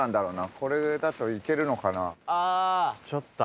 これだと行けるのかな？